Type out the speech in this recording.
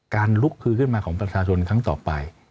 ลุกคือขึ้นมาของประชาชนครั้งต่อไป